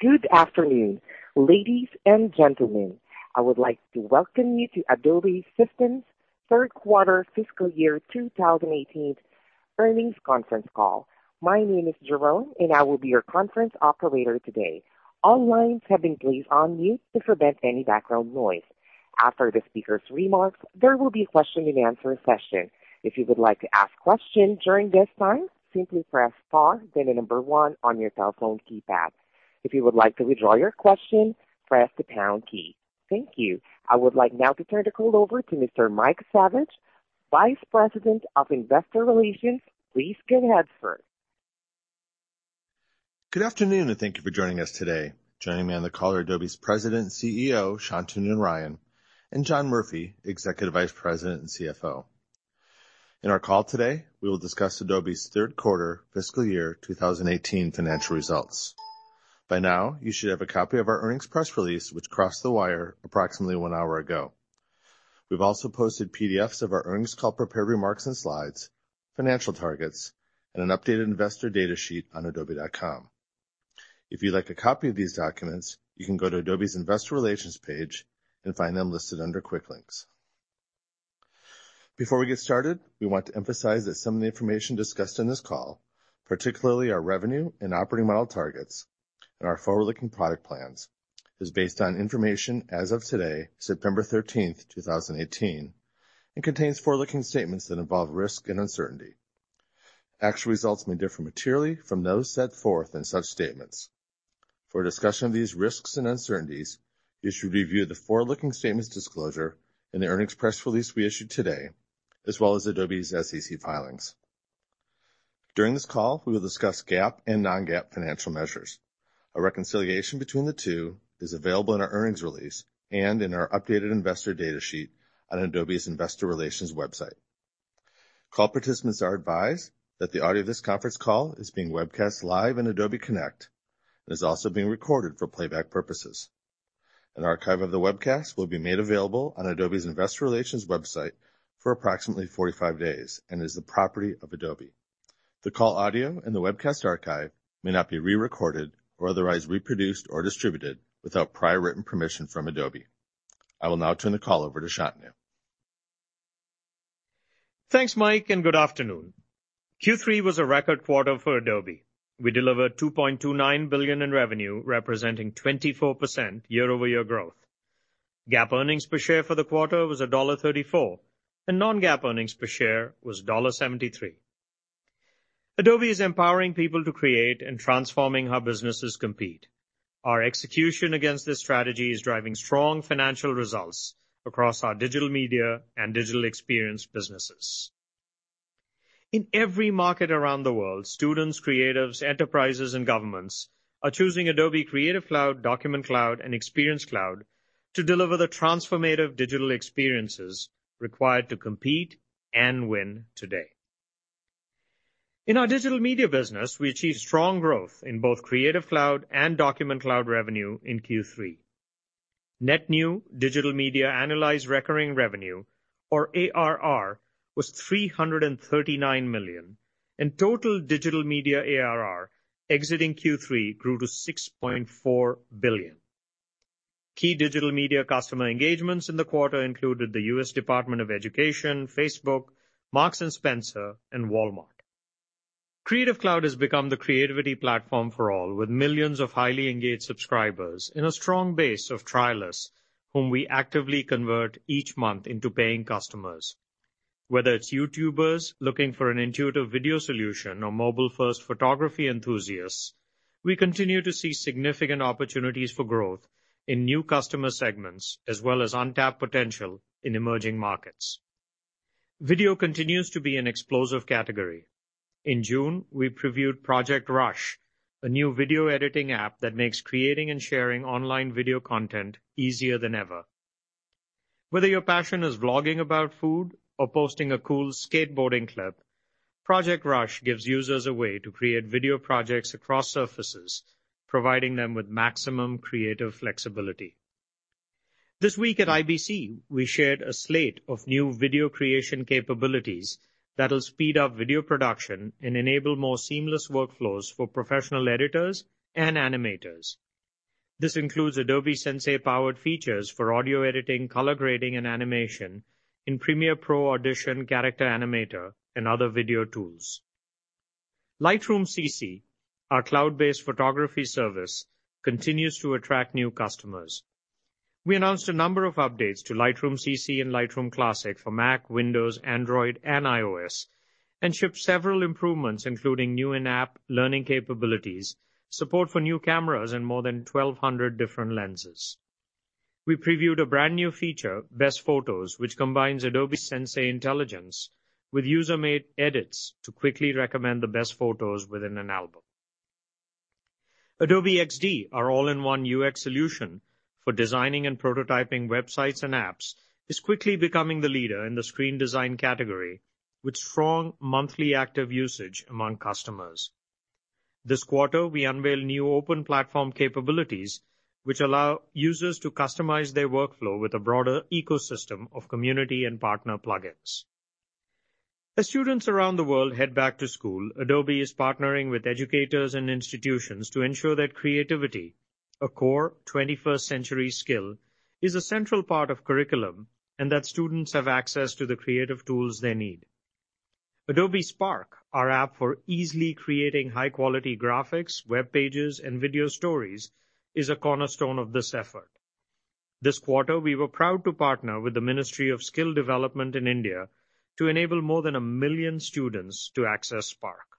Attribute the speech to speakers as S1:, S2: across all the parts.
S1: Good afternoon, ladies and gentlemen. I would like to welcome you to Adobe Systems' third quarter fiscal year 2018 earnings conference call. My name is Jerome, and I will be your conference operator today. All lines have been placed on mute to prevent any background noise. After the speakers' remarks, there will be a question-and-answer session. If you would like to ask questions during this time, simply press star then the number 1 on your telephone keypad. If you would like to withdraw your question, press the pound key. Thank you. I would like now to turn the call over to Mr. Mike Saviage, Vice President of Investor Relations. Please go ahead, sir.
S2: Good afternoon. Thank you for joining us today. Joining me on the call are Adobe's President and CEO, Shantanu Narayen, and John Murphy, Executive Vice President and CFO. In our call today, we will discuss Adobe's third quarter fiscal year 2018 financial results. By now, you should have a copy of our earnings press release which crossed the wire approximately one hour ago. We've also posted PDFs of our earnings call prepared remarks and slides, financial targets, and an updated investor data sheet on adobe.com. If you'd like a copy of these documents, you can go to Adobe's investor relations page and find them listed under Quick Links. Before we get started, we want to emphasize that some of the information discussed on this call, particularly our revenue and operating model targets and our forward-looking product plans, is based on information as of today, September 13th, 2018, and contains forward-looking statements that involve risk and uncertainty. Actual results may differ materially from those set forth in such statements. For a discussion of these risks and uncertainties, you should review the forward-looking statements disclosure in the earnings press release we issued today, as well as Adobe's SEC filings. During this call, we will discuss GAAP and non-GAAP financial measures. A reconciliation between the two is available in our earnings release and in our updated investor data sheet on Adobe's investor relations website. Call participants are advised that the audio of this conference call is being webcast live on Adobe Connect and is also being recorded for playback purposes. An archive of the webcast will be made available on Adobe's investor relations website for approximately 45 days and is the property of Adobe. The call audio and the webcast archive may not be re-recorded or otherwise reproduced or distributed without prior written permission from Adobe. I will now turn the call over to Shantanu.
S3: Thanks, Mike, and good afternoon. Q3 was a record quarter for Adobe. We delivered $2.29 billion in revenue, representing 24% year-over-year growth. GAAP earnings per share for the quarter was $1.34, and non-GAAP earnings per share was $1.73. Adobe is empowering people to create and transforming how businesses compete. Our execution against this strategy is driving strong financial results across our Digital Media and Digital Experience businesses. In every market around the world, students, creatives, enterprises, and governments are choosing Adobe Creative Cloud, Document Cloud, and Experience Cloud to deliver the transformative digital experiences required to compete and win today. In our Digital Media business, we achieved strong growth in both Creative Cloud and Document Cloud revenue in Q3. Net new Digital Media annualized recurring revenue, or ARR, was $339 million, and total Digital Media ARR exiting Q3 grew to $6.4 billion. Key Digital Media customer engagements in the quarter included the U.S. Department of Education, Facebook, Marks & Spencer, and Walmart. Creative Cloud has become the creativity platform for all, with millions of highly engaged subscribers and a strong base of trialists whom we actively convert each month into paying customers. Whether it's YouTubers looking for an intuitive video solution or mobile-first photography enthusiasts, we continue to see significant opportunities for growth in new customer segments as well as untapped potential in emerging markets. Video continues to be an explosive category. In June, we previewed Project Rush, a new video editing app that makes creating and sharing online video content easier than ever. Whether your passion is vlogging about food or posting a cool skateboarding clip, Project Rush gives users a way to create video projects across surfaces, providing them with maximum creative flexibility. This week at IBC, we shared a slate of new video creation capabilities that will speed up video production and enable more seamless workflows for professional editors and animators. This includes Adobe Sensei-powered features for audio editing, color grading, and animation in Premiere Pro, Adobe Audition, Adobe Character Animator, and other video tools. Lightroom CC, our cloud-based photography service, continues to attract new customers. We announced a number of updates to Lightroom CC and Lightroom Classic for Mac, Windows, Android, and iOS, and shipped several improvements, including new in-app learning capabilities, support for new cameras, and more than 1,200 different lenses. We previewed a brand-new feature, Best Photos, which combines Adobe Sensei intelligence with user-made edits to quickly recommend the best photos within an album. Adobe XD, our all-in-one UX solution for designing and prototyping websites and apps, is quickly becoming the leader in the screen design category with strong monthly active usage among customers. This quarter, we unveil new open platform capabilities which allow users to customize their workflow with a broader ecosystem of community and partner plugins. As students around the world head back to school, Adobe is partnering with educators and institutions to ensure that creativity, a core 21st century skill, is a central part of curriculum and that students have access to the creative tools they need. Adobe Spark, our app for easily creating high-quality graphics, web pages, and video stories, is a cornerstone of this effort. This quarter, we were proud to partner with the Ministry of Skill Development in India to enable more than a million students to access Adobe Spark.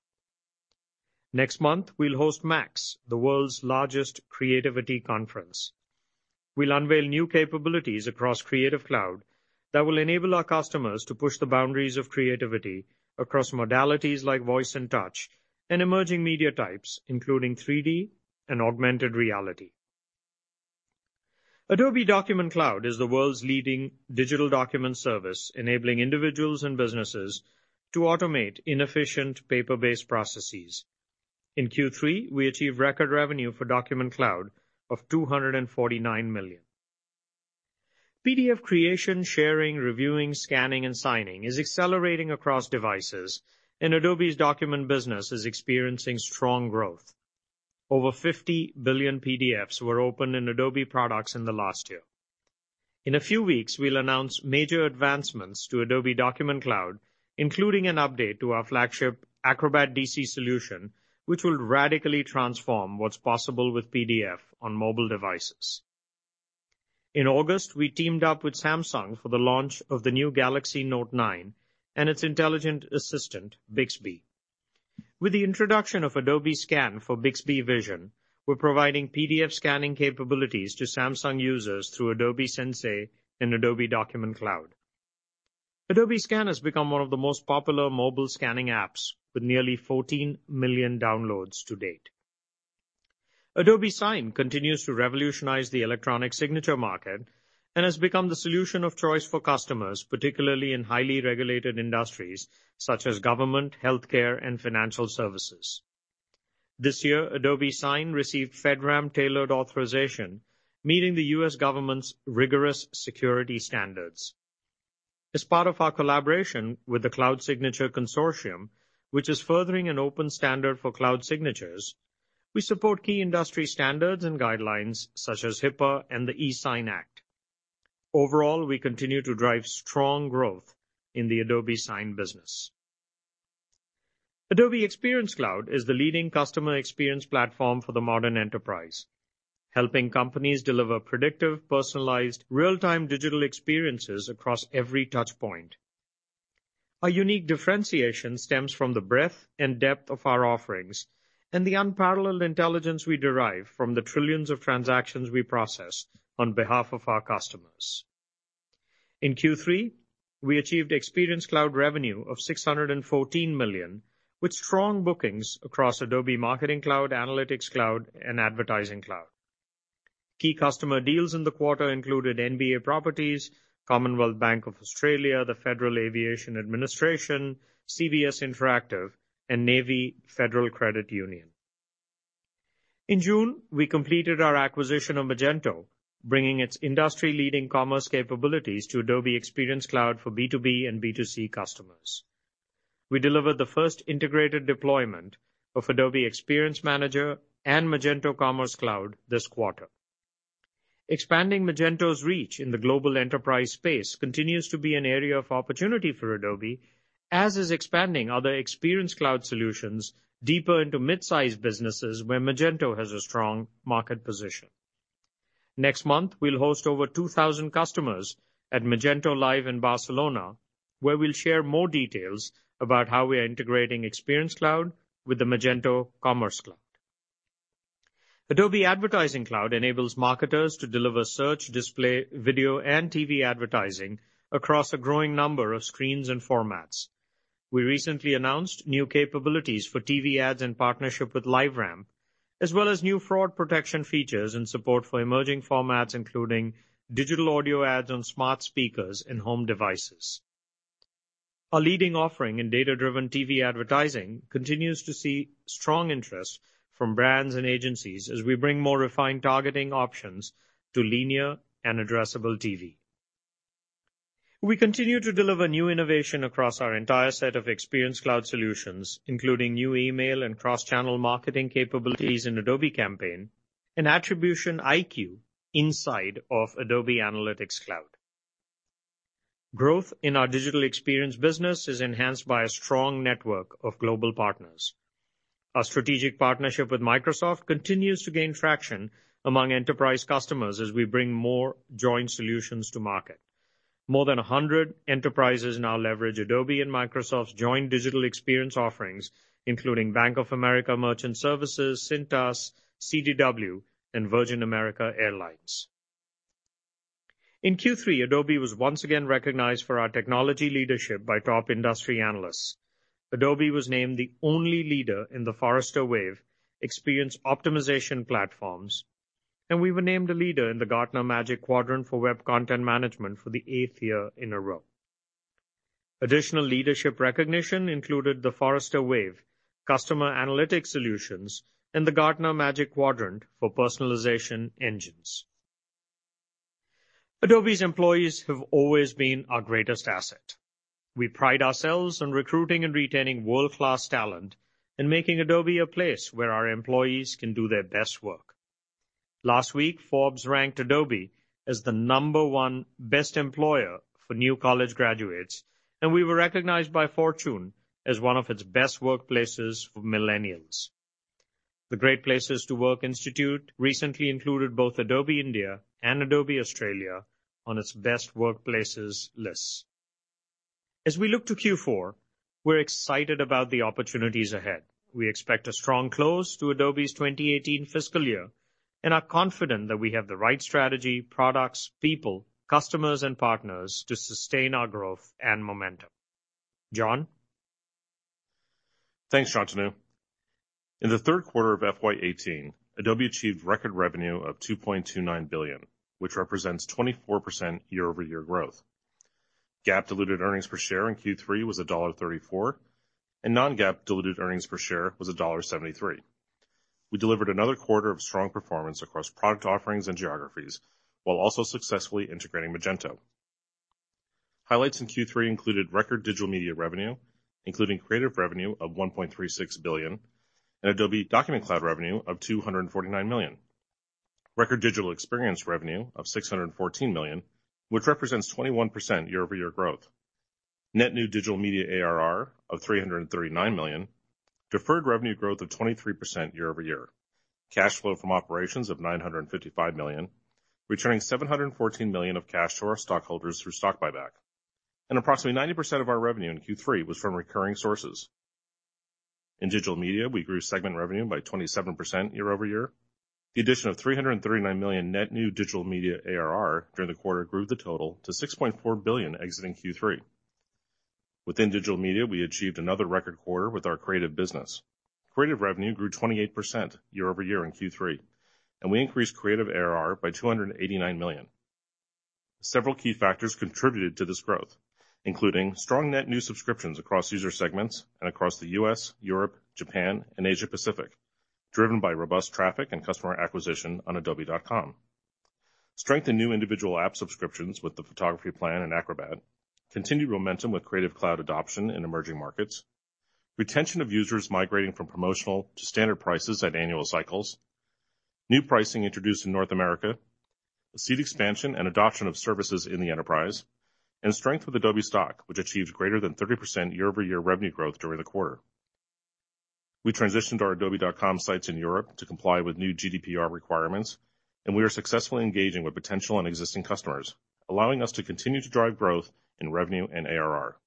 S3: Next month, we'll host MAX, the world's largest creativity conference. We'll unveil new capabilities across Creative Cloud that will enable our customers to push the boundaries of creativity across modalities like voice and touch and emerging media types, including 3D and augmented reality. Adobe Document Cloud is the world's leading digital document service, enabling individuals and businesses to automate inefficient paper-based processes. In Q3, we achieved record revenue for Document Cloud of $249 million. PDF creation, sharing, reviewing, scanning, and signing is accelerating across devices, and Adobe's document business is experiencing strong growth. Over 50 billion PDFs were opened in Adobe products in the last year. In a few weeks, we'll announce major advancements to Adobe Document Cloud, including an update to our flagship Acrobat DC solution, which will radically transform what's possible with PDF on mobile devices. In August, we teamed up with Samsung for the launch of the new Galaxy Note 9 and its intelligent assistant, Bixby. With the introduction of Adobe Scan for Bixby Vision, we're providing PDF scanning capabilities to Samsung users through Adobe Sensei in Adobe Document Cloud. Adobe Scan has become one of the most popular mobile scanning apps, with nearly 14 million downloads to date. Adobe Sign continues to revolutionize the electronic signature market and has become the solution of choice for customers, particularly in highly regulated industries such as government, healthcare, and financial services. This year, Adobe Sign received FedRAMP tailored authorization, meeting the U.S. government's rigorous security standards. As part of our collaboration with the Cloud Signature Consortium, which is furthering an open standard for cloud signatures, we support key industry standards and guidelines such as HIPAA and the ESIGN Act. Overall, we continue to drive strong growth in the Adobe Sign business. Adobe Experience Cloud is the leading customer experience platform for the modern enterprise, helping companies deliver predictive, personalized, real-time digital experiences across every touch point. Our unique differentiation stems from the breadth and depth of our offerings and the unparalleled intelligence we derive from the trillions of transactions we process on behalf of our customers. In Q3, we achieved Experience Cloud revenue of $614 million, with strong bookings across Adobe Marketing Cloud, Analytics Cloud, and Advertising Cloud. Key customer deals in the quarter included NBA Properties, Commonwealth Bank of Australia, the Federal Aviation Administration, CBS Interactive, and Navy Federal Credit Union. In June, we completed our acquisition of Magento, bringing its industry-leading commerce capabilities to Adobe Experience Cloud for B2B and B2C customers. We delivered the first integrated deployment of Adobe Experience Manager and Magento Commerce Cloud this quarter. Expanding Magento's reach in the global enterprise space continues to be an area of opportunity for Adobe, as is expanding other Experience Cloud solutions deeper into mid-size businesses where Magento has a strong market position. Next month, we'll host over 2,000 customers at MagentoLive in Barcelona, where we'll share more details about how we are integrating Experience Cloud with the Magento Commerce Cloud. Adobe Advertising Cloud enables marketers to deliver search, display, video, and TV advertising across a growing number of screens and formats. We recently announced new capabilities for TV ads in partnership with LiveRamp, as well as new fraud protection features and support for emerging formats, including digital audio ads on smart speakers and home devices. Our leading offering in data-driven TV advertising continues to see strong interest from brands and agencies as we bring more refined targeting options to linear and addressable TV. We continue to deliver new innovation across our entire set of Adobe Experience Cloud solutions, including new email and cross-channel marketing capabilities in Adobe Campaign and Attribution IQ inside of Adobe Analytics Cloud. Growth in our digital experience business is enhanced by a strong network of global partners. Our strategic partnership with Microsoft continues to gain traction among enterprise customers as we bring more joint solutions to market. More than 100 enterprises now leverage Adobe and Microsoft's joint digital experience offerings, including Bank of America Merchant Services, Cintas, CDW, and Virgin Atlantic. In Q3, Adobe was once again recognized for our technology leadership by top industry analysts. Adobe was named the only leader in the Forrester Wave Experience Optimization platforms. We were named a leader in the Gartner Magic Quadrant for Web Content Management for the eighth year in a row. Additional leadership recognition included the Forrester Wave customer analytics solutions and the Gartner Magic Quadrant for personalization engines. Adobe's employees have always been our greatest asset. We pride ourselves on recruiting and retaining world-class talent and making Adobe a place where our employees can do their best work. Last week, Forbes ranked Adobe as the number one best employer for new college graduates. We were recognized by Fortune as one of its best workplaces for millennials. The Great Place to Work Institute recently included both Adobe India and Adobe Australia on its best workplaces lists. As we look to Q4, we're excited about the opportunities ahead. We expect a strong close to Adobe's 2018 fiscal year and are confident that we have the right strategy, products, people, customers, and partners to sustain our growth and momentum. John?
S4: Thanks, Shantanu. In the third quarter of FY 2018, Adobe achieved record revenue of $2.29 billion, which represents 24% year-over-year growth. GAAP diluted earnings per share in Q3 was $1.34, and non-GAAP diluted earnings per share was $1.73. We delivered another quarter of strong performance across product offerings and geographies while also successfully integrating Magento. Highlights in Q3 included record digital media revenue, including creative revenue of $1.36 billion and Adobe Document Cloud revenue of $249 million. Record digital experience revenue of $614 million, which represents 21% year-over-year growth. Net new digital media ARR of $339 million. Deferred revenue growth of 23% year-over-year. Cash flow from operations of $955 million, returning $714 million of cash to our stockholders through stock buyback. Approximately 90% of our revenue in Q3 was from recurring sources. In digital media, we grew segment revenue by 27% year-over-year. The addition of $339 million net new Digital Media ARR during the quarter grew the total to $6.4 billion exiting Q3. Within Digital Media, we achieved another record quarter with our Creative business. Creative revenue grew 28% year-over-year in Q3. We increased Creative ARR by $289 million. Several key factors contributed to this growth, including strong net new subscriptions across user segments and across the U.S., Europe, Japan, and Asia Pacific, driven by robust traffic and customer acquisition on adobe.com. Strength in new individual app subscriptions with the Photography plan and Acrobat. Continued momentum with Creative Cloud adoption in emerging markets. Retention of users migrating from promotional to standard prices at annual cycles. New pricing introduced in North America, a seat expansion and adoption of services in the enterprise, and strength of Adobe Stock, which achieved greater than 30% year-over-year revenue growth during the quarter. We transitioned our adobe.com sites in Europe to comply with new GDPR requirements. We are successfully engaging with potential and existing customers, allowing us to continue to drive growth in revenue and ARR.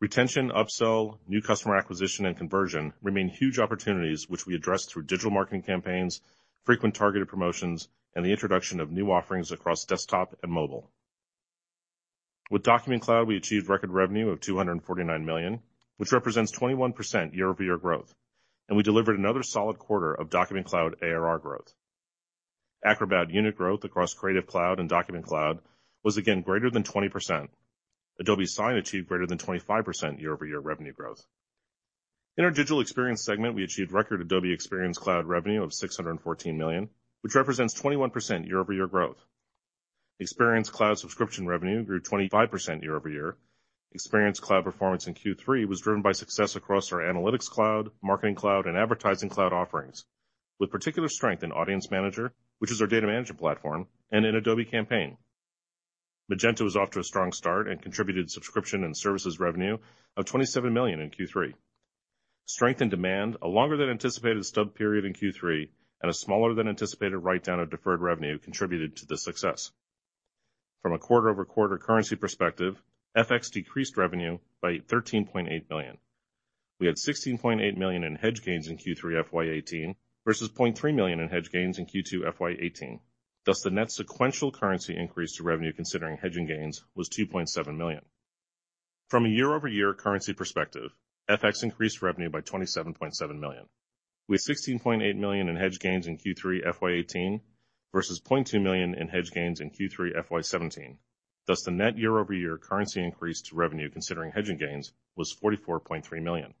S4: Retention, upsell, new customer acquisition, and conversion remain huge opportunities, which we address through digital marketing campaigns, frequent targeted promotions, and the introduction of new offerings across desktop and mobile. With Document Cloud, we achieved record revenue of $249 million, which represents 21% year-over-year growth. We delivered another solid quarter of Document Cloud ARR growth. Acrobat unit growth across Creative Cloud and Document Cloud was again greater than 20%. Adobe Sign achieved greater than 25% year-over-year revenue growth. In our Digital Experience segment, we achieved record Adobe Experience Cloud revenue of $614 million, which represents 21% year-over-year growth. Experience Cloud subscription revenue grew 25% year-over-year. Experience Cloud performance in Q3 was driven by success across our Analytics Cloud, Marketing Cloud, and Advertising Cloud offerings, with particular strength in Audience Manager, which is our data management platform, and in Adobe Campaign. Magento is off to a strong start. Contributed subscription and services revenue of $27 million in Q3. Strength in demand, a longer than anticipated stub period in Q3, and a smaller than anticipated write-down of deferred revenue contributed to this success. From a quarter-over-quarter currency perspective, FX decreased revenue by $13.8 million. We had $16.8 million in hedge gains in Q3 FY 2018 versus $0.3 million in hedge gains in Q2 FY 2018. Thus, the net sequential currency increase to revenue considering hedging gains was $2.7 million. From a year-over-year currency perspective, FX increased revenue by $27.7 million, with $16.8 million in hedge gains in Q3 FY 2018 versus $0.2 million in hedge gains in Q3 FY 2017. Thus, the net year-over-year currency increase to revenue considering hedging gains was $44.3 million.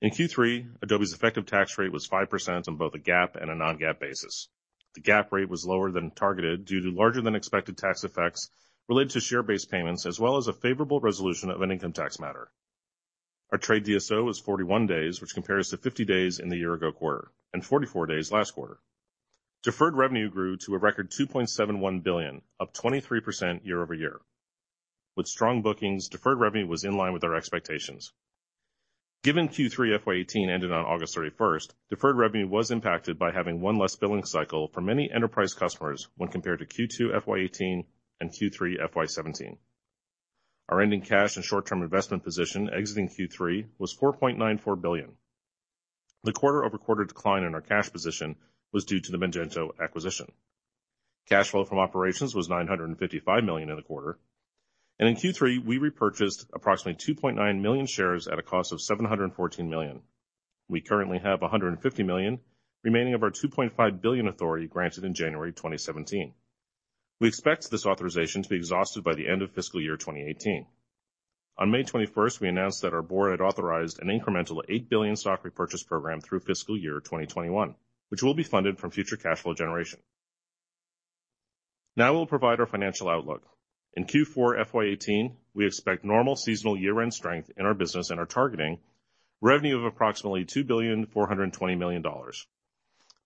S4: In Q3, Adobe's effective tax rate was 5% on both a GAAP and a non-GAAP basis. The GAAP rate was lower than targeted due to larger than expected tax effects related to share-based payments as well as a favorable resolution of an income tax matter. Our trade DSO was 41 days, which compares to 50 days in the year-ago quarter and 44 days last quarter. Deferred revenue grew to a record $2.71 billion, up 23% year-over-year. With strong bookings, deferred revenue was in line with our expectations. Given Q3 FY 2018 ended on August 31st, deferred revenue was impacted by having one less billing cycle for many enterprise customers when compared to Q2 FY 2018 and Q3 FY 2017. Our ending cash and short-term investment position exiting Q3 was $4.94 billion. The quarter-over-quarter decline in our cash position was due to the Magento acquisition. Cash flow from operations was $955 million in the quarter. In Q3, we repurchased approximately 2.9 million shares at a cost of $714 million. We currently have $150 million remaining of our $2.5 billion authority granted in January 2017. We expect this authorization to be exhausted by the end of fiscal year 2018. On May 21st, we announced that our board had authorized an incremental $8 billion stock repurchase program through fiscal year 2021, which will be funded from future cash flow generation. Now we'll provide our financial outlook. In Q4 FY 2018, we expect normal seasonal year-end strength in our business and are targeting revenue of approximately $2,420,000,000.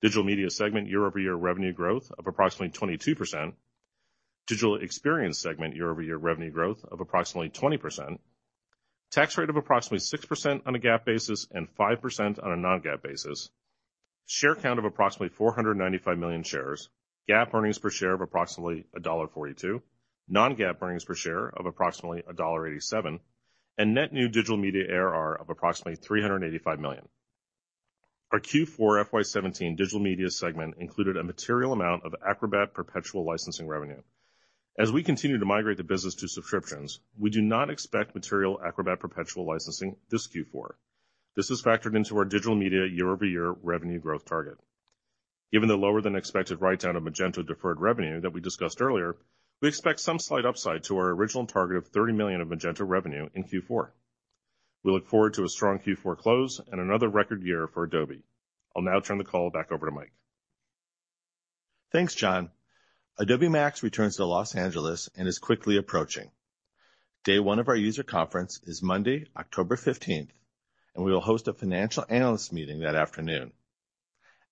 S4: Digital Media segment year-over-year revenue growth of approximately 22%, Digital Experience segment year-over-year revenue growth of approximately 20%, tax rate of approximately 6% on a GAAP basis and 5% on a non-GAAP basis, share count of approximately 495 million shares, GAAP earnings per share of approximately $1.42, non-GAAP earnings per share of approximately $1.87, and net new Digital Media ARR of approximately $385 million. Our Q4 FY 2017 Digital Media segment included a material amount of Acrobat perpetual licensing revenue. As we continue to migrate the business to subscriptions, we do not expect material Acrobat perpetual licensing this Q4. This is factored into our Digital Media year-over-year revenue growth target. Given the lower than expected write-down of Magento deferred revenue that we discussed earlier, we expect some slight upside to our original target of $30 million of Magento revenue in Q4. We look forward to a strong Q4 close and another record year for Adobe. I'll now turn the call back over to Mike.
S2: Thanks, John. Adobe MAX returns to Los Angeles and is quickly approaching. Day one of our user conference is Monday, October 15th, and we will host a financial analyst meeting that afternoon.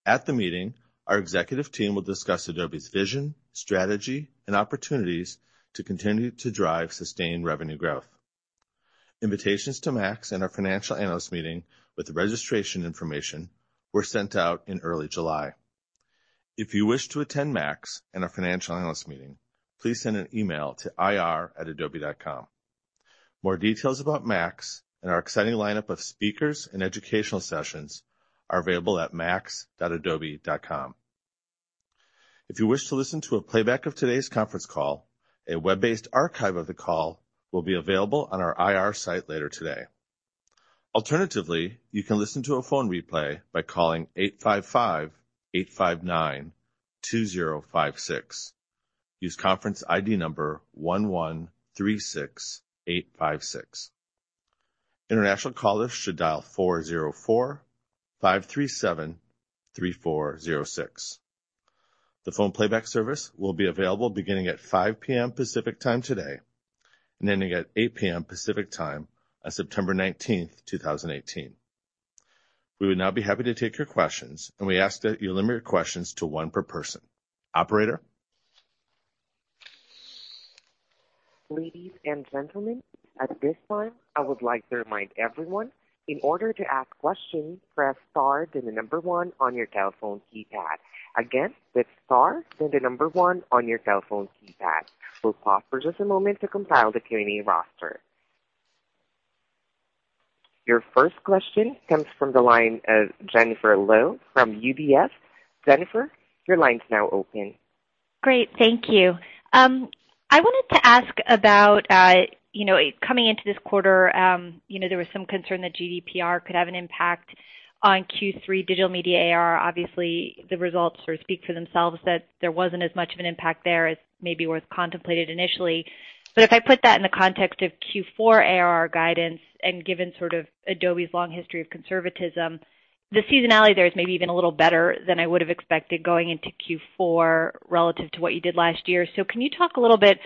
S2: At the meeting, our executive team will discuss Adobe's vision, strategy, and opportunities to continue to drive sustained revenue growth. Invitations to MAX and our financial analyst meeting with the registration information were sent out in early July. If you wish to attend MAX and our financial analyst meeting, please send an email to ir@adobe.com. More details about MAX and our exciting lineup of speakers and educational sessions are available at max.adobe.com. If you wish to listen to a playback of today's conference call, a web-based archive of the call will be available on our IR site later today. Alternatively, you can listen to a phone replay by calling 855-859-2056. Use conference ID number 1136856. International callers should dial 404-537-3406. The phone playback service will be available beginning at 5:00 P.M. Pacific Time today, ending at 8:00 P.M. Pacific Time on September 19th, 2018. We would now be happy to take your questions. We ask that you limit your questions to one per person. Operator?
S1: Ladies and gentlemen, at this time, I would like to remind everyone, in order to ask questions, press star, then the number one on your telephone keypad. Again, press star, then the number one on your telephone keypad. We'll pause for just a moment to compile the Q&A roster. Your first question comes from the line of Jennifer Lowe from UBS. Jennifer, your line's now open.
S5: Great. Thank you. I wanted to ask about coming into this quarter, there was some concern that GDPR could have an impact on Q3 Digital Media ARR. Obviously, the results sort of speak for themselves that there wasn't as much of an impact there as maybe was contemplated initially. If I put that in the context of Q4 ARR guidance and given sort of Adobe's long history of conservatism, the seasonality there is maybe even a little better than I would have expected going into Q4 relative to what you did last year. Can you talk a little bit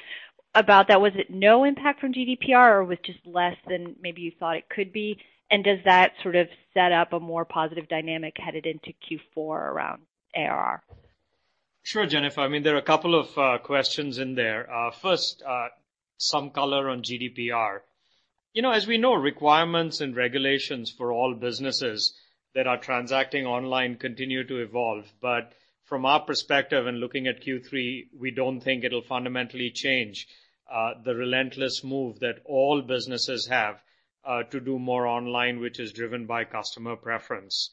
S5: about that? Was it no impact from GDPR or was just less than maybe you thought it could be? Does that sort of set up a more positive dynamic headed into Q4 around ARR?
S4: Sure, Jennifer. There are a couple of questions in there. First, some color on GDPR. As we know, requirements and regulations for all businesses that are transacting online continue to evolve. From our perspective and looking at Q3, we don't think it'll fundamentally change the relentless move that all businesses have to do more online, which is driven by customer preference.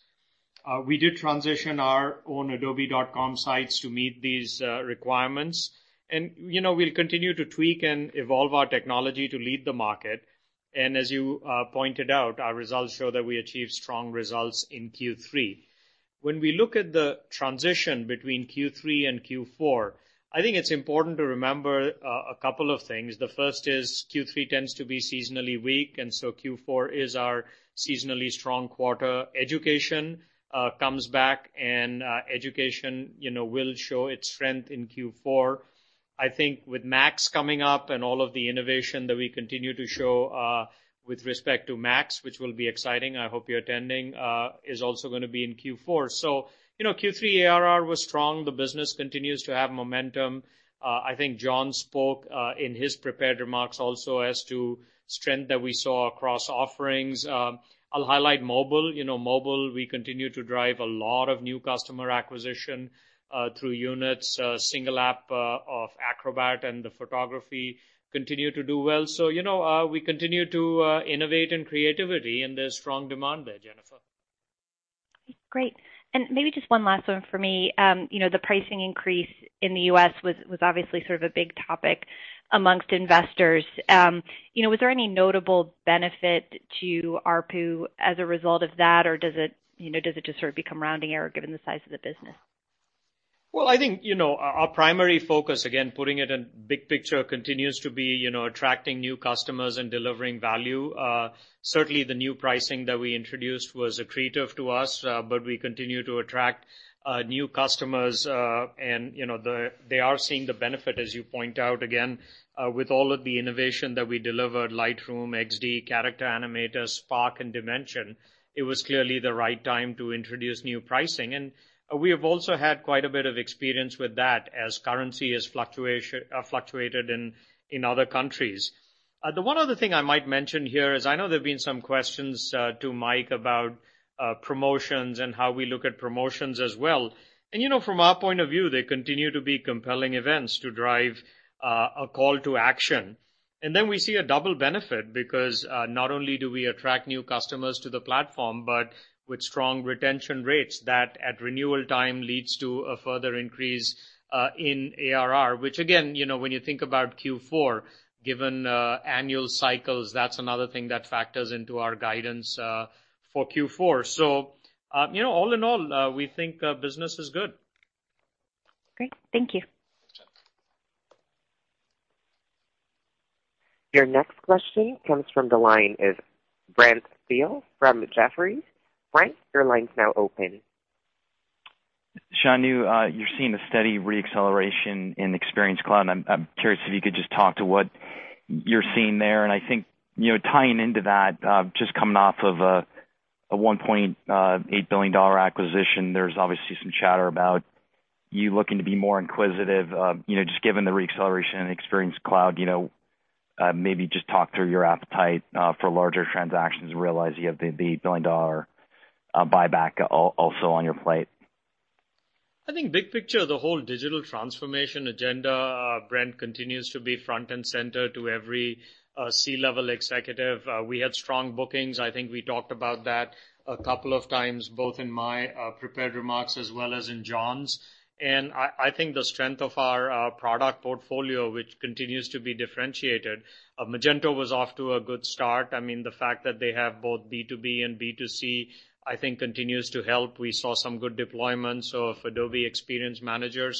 S4: We did transition our own adobe.com sites to meet these requirements. We'll continue to tweak and evolve our technology to lead the market. As you pointed out, our results show that we achieved strong results in Q3. When we look at the transition between Q3 and Q4, I think it's important to remember a couple of things. The first is Q3 tends to be seasonally weak. Q4 is our seasonally strong quarter. Education comes back. Education will show its strength in Q4. I think with MAX coming up and all of the innovation that we continue to show with respect to MAX, which will be exciting, I hope you're attending, is also going to be in Q4. Q3 ARR was strong. The business continues to have momentum. I think John spoke in his prepared remarks also as to strength that we saw across offerings. I'll highlight mobile. Mobile, we continue to drive a lot of new customer acquisition through units, single app of Acrobat and the photography continue to do well. We continue to innovate in creativity and there's strong demand there, Jennifer.
S5: Great. Maybe just one last one for me. The pricing increase in the U.S. was obviously sort of a big topic amongst investors. Was there any notable benefit to ARPU as a result of that, or does it just sort of become rounding error given the size of the business?
S3: Well, I think, our primary focus, again, putting it in big picture, continues to be attracting new customers and delivering value. Certainly, the new pricing that we introduced was accretive to us, but we continue to attract new customers. They are seeing the benefit, as you point out, again, with all of the innovation that we delivered, Lightroom, XD, Character Animator, Spark, and Dimension. It was clearly the right time to introduce new pricing. We have also had quite a bit of experience with that as currency has fluctuated in other countries. The one other thing I might mention here is I know there've been some questions to Mike about promotions and how we look at promotions as well. From our point of view, they continue to be compelling events to drive a call to action. We see a double benefit because not only do we attract new customers to the platform, but with strong retention rates that at renewal time leads to a further increase in ARR, which again, when you think about Q4, given annual cycles, that's another thing that factors into our guidance for Q4. All in all, we think business is good.
S5: Great. Thank you.
S3: Sure.
S1: Your next question comes from the line of Brent Thill from Jefferies. Brent, your line's now open.
S6: Shanu, you're seeing a steady re-acceleration in Experience Cloud. I'm curious if you could just talk to what you're seeing there, and I think tying into that, just coming off of a $1.8 billion acquisition, there's obviously some chatter about you looking to be more inquisitive. Just given the re-acceleration in Experience Cloud, maybe just talk through your appetite for larger transactions, realizing you have the $1 billion buyback also on your plate.
S3: I think big picture, the whole digital transformation agenda, Brent, continues to be front and center to every C-level executive. We had strong bookings. I think we talked about that a couple of times, both in my prepared remarks as well as in John's. The strength of our product portfolio, which continues to be differentiated. Magento was off to a good start. The fact that they have both B2B and B2C, I think continues to help. We saw some good deployments of Adobe Experience Manager.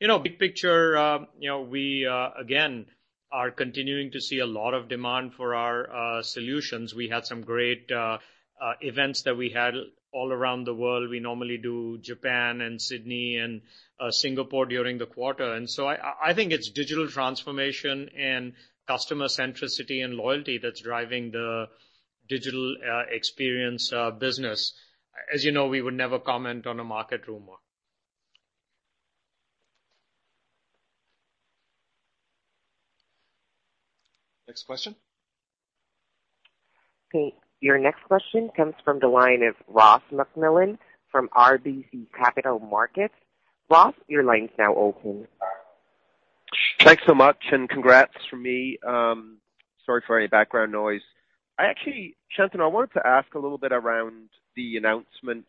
S3: Big picture, we again are continuing to see a lot of demand for our solutions. We had some great events that we had all around the world. We normally do Japan and Sydney and Singapore during the quarter. I think it's digital transformation and customer centricity and loyalty that's driving the digital experience business. As you know, we would never comment on a market rumor.
S2: Next question.
S1: Okay. Your next question comes from the line of Ross MacMillan from RBC Capital Markets. Ross, your line's now open.
S7: Thanks so much. Congrats from me. Sorry for any background noise. Actually, Shantanu, I wanted to ask a little bit around the announcement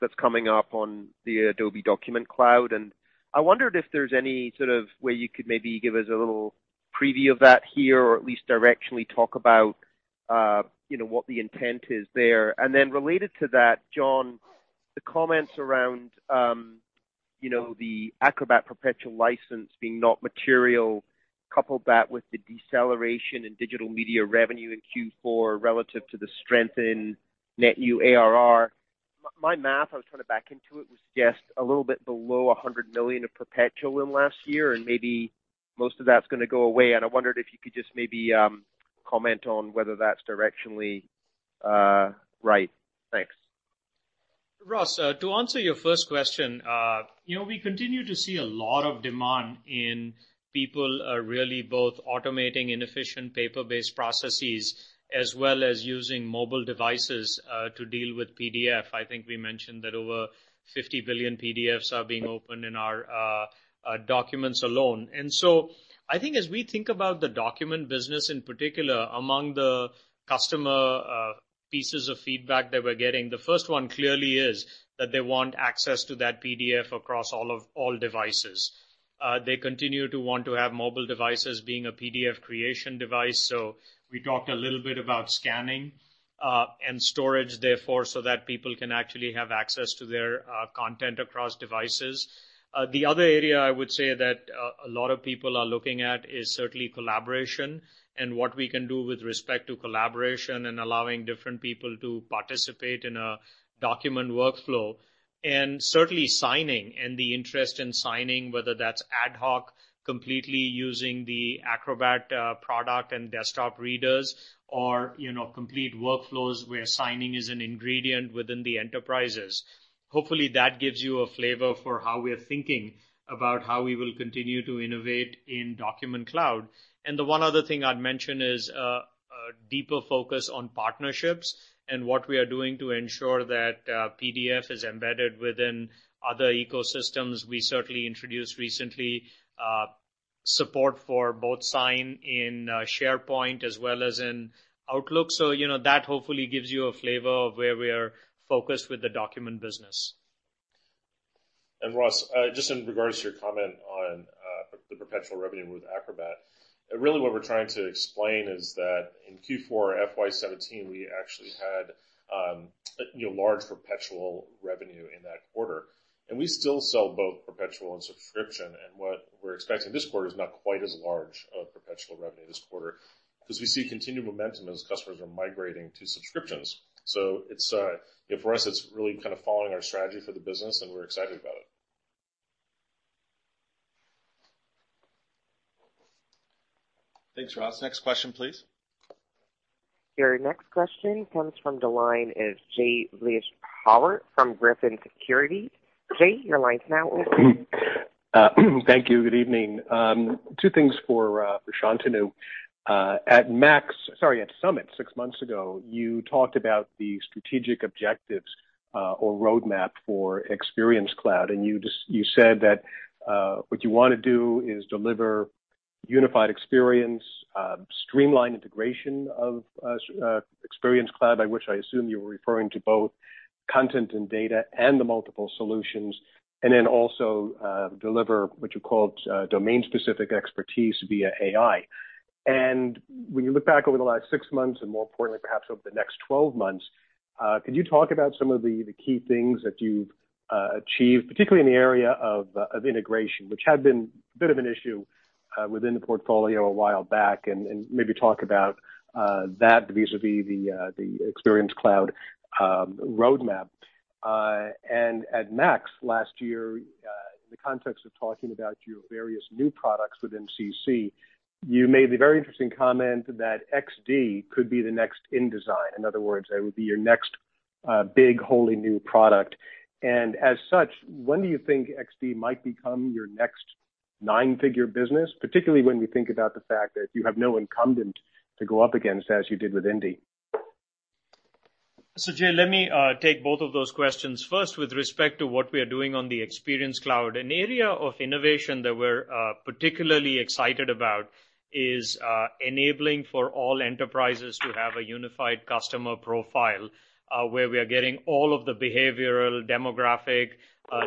S7: that's coming up on the Adobe Document Cloud, and I wondered if there's any sort of way you could maybe give us a little preview of that here, or at least directionally talk about what the intent is there. Then related to that, John, the comments around the Acrobat perpetual license being not material, couple that with the deceleration in digital media revenue in Q4 relative to the strength in net new ARR. My math, I was trying to back into it, was just a little bit below $100 million of perpetual in last year, and maybe most of that's going to go away. I wondered if you could just maybe comment on whether that's directionally right. Thanks.
S3: Ross, to answer your first question, we continue to see a lot of demand in people really both automating inefficient paper-based processes as well as using mobile devices to deal with PDF. I think we mentioned that over 50 billion PDFs are being opened in our documents alone. I think as we think about the document business in particular, among the customer pieces of feedback that we're getting, the first one clearly is that they want access to that PDF across all devices. They continue to want to have mobile devices being a PDF creation device. We talked a little bit about scanning and storage therefore, so that people can actually have access to their content across devices. The other area I would say that a lot of people are looking at is certainly collaboration and what we can do with respect to collaboration and allowing different people to participate in a document workflow. Certainly signing and the interest in signing, whether that's ad hoc completely using the Acrobat product and desktop readers or complete workflows where signing is an ingredient within the enterprises. Hopefully, that gives you a flavor for how we're thinking about how we will continue to innovate in Document Cloud. The one other thing I'd mention is a deeper focus on partnerships and what we are doing to ensure that PDF is embedded within other ecosystems. We certainly introduced recently a Support for both sign in SharePoint as well as in Outlook. That hopefully gives you a flavor of where we are focused with the document business.
S4: Ross, just in regards to your comment on the perpetual revenue with Acrobat, really what we're trying to explain is that in Q4 FY 2017, we actually had large perpetual revenue in that quarter, we still sell both perpetual and subscription. What we're expecting this quarter is not quite as large of perpetual revenue this quarter, because we see continued momentum as customers are migrating to subscriptions. For us, it's really kind of following our strategy for the business, we're excited about it.
S2: Thanks, Ross. Next question, please.
S1: Your next question comes from the line of Jay Vleeschhouwer from Griffin Securities. Jay, your line is now open.
S8: Thank you. Good evening. Two things for Shantanu. At Adobe MAX, 6 months ago, you talked about the strategic objectives or roadmap for Experience Cloud. You said that what you want to do is deliver unified experience, streamline integration of Experience Cloud, by which I assume you were referring to both content and data and the multiple solutions, then also deliver what you called domain-specific expertise via AI. When you look back over the last 6 months, and more importantly, perhaps over the next 12 months, could you talk about some of the key things that you've achieved, particularly in the area of integration, which had been a bit of an issue within the portfolio a while back, and maybe talk about that vis-a-vis the Experience Cloud roadmap. At Adobe MAX last year, the context of talking about your various new products within CC, you made the very interesting comment that XD could be the next InDesign. In other words, that would be your next big, wholly new product. As such, when do you think XD might become your next nine-figure business, particularly when we think about the fact that you have no incumbent to go up against as you did with Indy?
S3: Jay, let me take both of those questions. First, with respect to what we are doing on the Experience Cloud, an area of innovation that we're particularly excited about is enabling for all enterprises to have a unified customer profile, where we are getting all of the behavioral demographic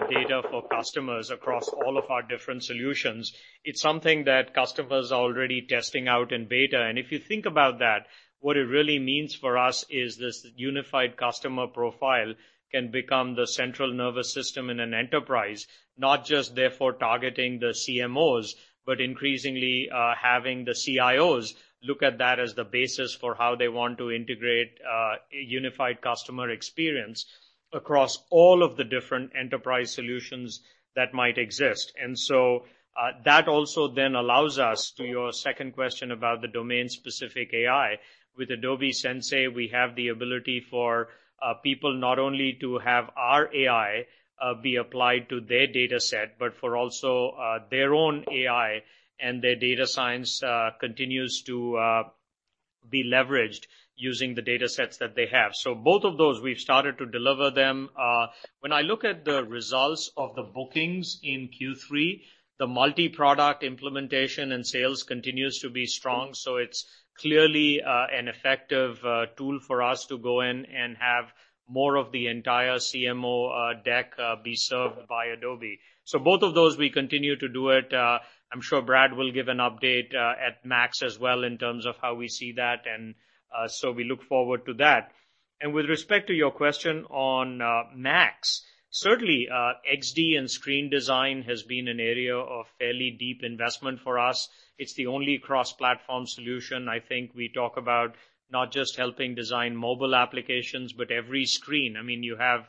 S3: data for customers across all of our different solutions. It's something that customers are already testing out in beta. If you think about that, what it really means for us is this unified customer profile can become the central nervous system in an enterprise, not just therefore targeting the CMOs, but increasingly, having the CIOs look at that as the basis for how they want to integrate a unified customer experience across all of the different enterprise solutions that might exist. That also then allows us to your second question about the domain-specific AI. With Adobe Sensei, we have the ability for people not only to have our AI be applied to their dataset, but for also their own AI and their data science continues to be leveraged using the datasets that they have. Both of those, we've started to deliver them. When I look at the results of the bookings in Q3, the multi-product implementation and sales continues to be strong. It's clearly an effective tool for us to go in and have more of the entire CMO deck be served by Adobe. Both of those, we continue to do it. I'm sure Brad will give an update at Adobe MAX as well in terms of how we see that, and we look forward to that. With respect to your question on Adobe MAX, certainly Adobe XD and screen design has been an area of fairly deep investment for us. It's the only cross-platform solution. I think we talk about not just helping design mobile applications, but every screen. You have